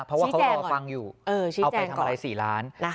เพราะว่าเขารอฟังอยู่เอาไปทำอะไร๔ล้าน